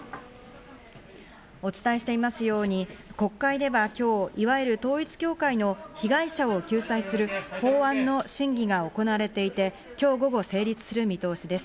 お伝えしていますように、国会では今日いわゆる統一教会の被害者を救済する法案の審議が行われていて、今日午後、成立する見通しです。